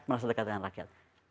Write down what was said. merasa dekat dengan rakyat